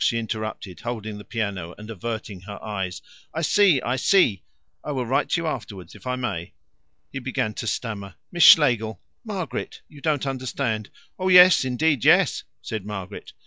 she interrupted, holding the piano and averting her eyes. "I see, I see. I will write to you afterwards if I may." He began to stammer. "Miss Schlegel Margaret you don't understand." "Oh yes! Indeed, yes!" said Margaret.